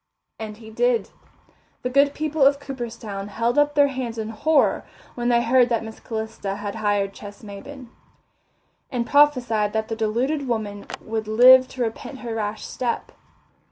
And he did. The good people of Cooperstown held up their hands in horror when they heard that Miss Calista had hired Ches Maybin, and prophesied that the deluded woman would live to repent her rash step.